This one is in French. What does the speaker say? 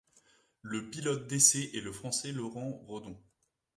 Le pilote d'essais est le Français Laurent Redon.